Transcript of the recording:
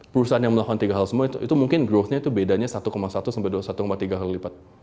perusahaan yang melakukan tiga hal semua itu mungkin growthnya itu bedanya satu satu sampai satu tiga kali lipat